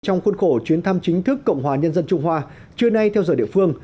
trong khuôn khổ chuyến thăm chính thức cộng hòa nhân dân trung hoa trưa nay theo giờ địa phương